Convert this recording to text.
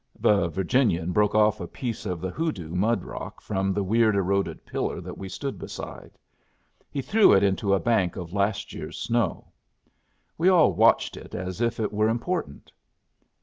The Virginian broke off a piece of the Hoodoo mud rock from the weird eroded pillar that we stood beside. He threw it into a bank of last year's snow. We all watched it as if it were important.